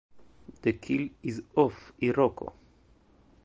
The keel is of iroko.